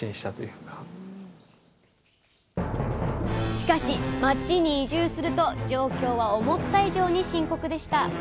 しかし町に移住すると状況は思った以上に深刻でした。